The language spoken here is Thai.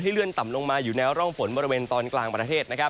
เลื่อนต่ำลงมาอยู่แนวร่องฝนบริเวณตอนกลางประเทศ